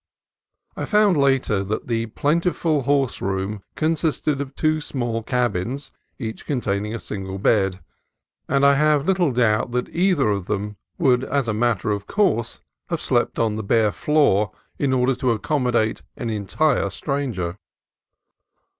I found later that the plentiful house room consisted of two small cabins, each contain ing a single bed ; and I have little doubt that either of them would as a matter of course have slept on the bare floor in order to accommodate an entire stranger.